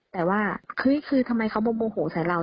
แต่ว่าเฮ้ยคือทำไมเขาโมโหใส่เรา